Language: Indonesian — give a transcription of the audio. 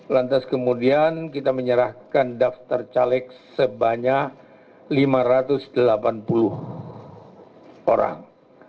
lantas kemudian kita menyerahkan daftar caleg sebanyak lima ratus delapan puluh orang